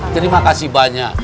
terima kasih banyak